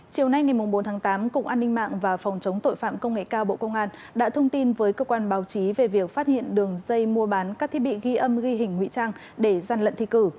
chiều nay ngày bốn tháng tám cục an ninh mạng và phòng chống tội phạm công nghệ cao bộ công an đã thông tin với cơ quan báo chí về việc phát hiện đường dây mua bán các thiết bị ghi âm ghi hình nguy trang để gian lận thi cử